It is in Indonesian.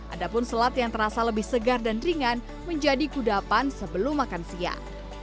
ada pun selat yang terasa lebih segar dan ringan menjadi kudapan sebelum makan siang